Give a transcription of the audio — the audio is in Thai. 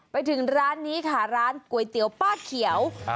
ไปถึงร้านก๋วยเตี๋ยวป้าเขียว